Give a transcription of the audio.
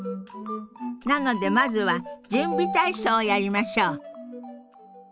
なのでまずは準備体操をやりましょう。